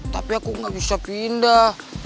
tapi aku nggak bisa pindah